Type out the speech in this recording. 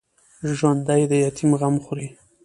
ژوندي د یتیم غم خوري